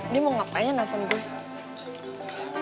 dia mau ngapain telfon gue